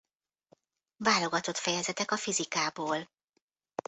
Válogatott fejezetek a fizikából.